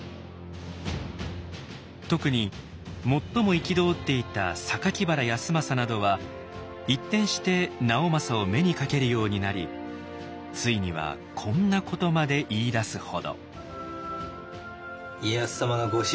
特に最も憤っていた原康政などは一転して直政を目にかけるようになりついにはこんなことまで言いだすほど。